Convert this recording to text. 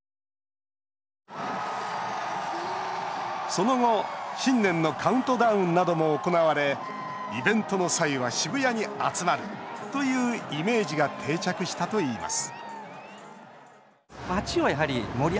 その後、新年のカウントダウンなども行われイベントの際は渋谷に集まるというイメージが定着したといいます